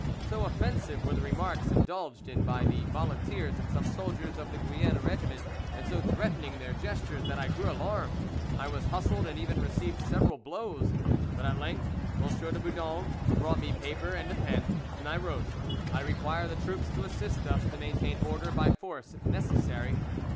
So offensive were the remarks indulged in by the volunteers and some soldiers of the Guienne regiment, and so threatening their gestures, that I grew alarmed. I was hustled and even received several blows; but at length M. de Boudon brought me paper and a pen, and I wrote:—'I require the troops to assist us to maintain order by force if necessary.